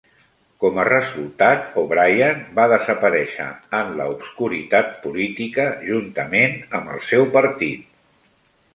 Com a resultat, O'Brien va desaparèixer en la obscuritat política juntament amb el seu partit.